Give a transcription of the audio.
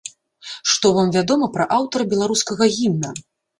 Што вам вядома пра аўтара беларускага гімна?